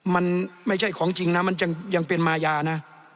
มันไม่ใช่ของจริงนะมันยังเป็นมายานะ